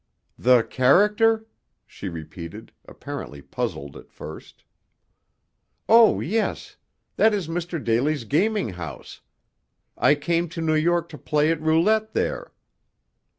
"The character?" she repeated, apparently puzzled at first. "Oh, yes. That is Mr. Daly's gaming house. I came to New York to play at roulette there."